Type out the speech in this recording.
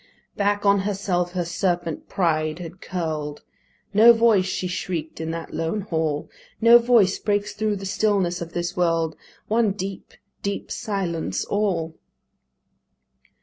Back on herself her serpent pride had curl'd "No voice," she shriek'd in that lone hall, "No voice breaks thro' the stillness of this world: One deep, deep silence all!"